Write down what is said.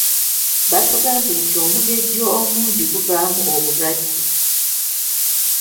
Batugambye nti omugejjo omungi guvaamu obulwadde.